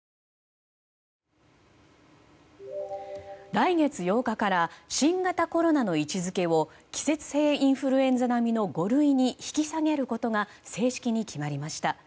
来月８日から新型コロナの位置づけを季節性インフルエンザ並みの５類に引き下げることが正式に決まりました。